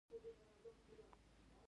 مهایورا د جینیزم بنسټ کیښود.